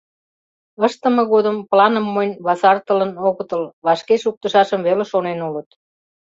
Ыштыме годым планым монь васартылын огытыл, вашке шуктышашым веле шонен улыт.